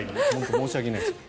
申し訳ないです。